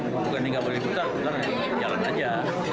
bukan ini gak boleh diputar putar jalan aja